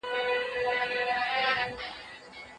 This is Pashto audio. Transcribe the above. ګوندي تاسي راسئ چي موږ دغه موبایل فلش کړو.